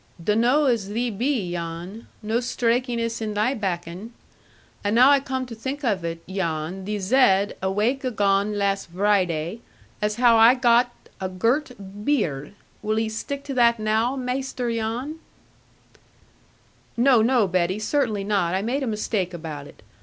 'Dunno as thee be, Jan. No straikiness in thy bakkon. And now I come to think of it, Jan, thee zed, a wake agone last Vriday, as how I had got a girt be ard. Wull 'e stick to that now, Maister Jan?' 'No, no, Betty, certainly not; I made a mistake about it.